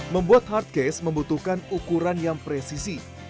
membuat hardcase membutuhkan ukuran yang presisi